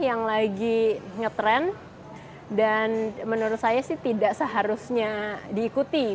yang lagi ngetrend dan menurut saya sih tidak seharusnya diikuti